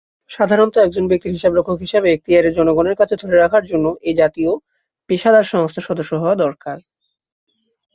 সাধারণত একজন ব্যক্তির হিসাবরক্ষক হিসাবে এখতিয়ারের জনগণের কাছে ধরে রাখার জন্য এই জাতীয় পেশাদার সংস্থার সদস্য হওয়া দরকার।